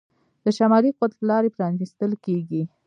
د شمالي قطب لارې پرانیستل کیږي.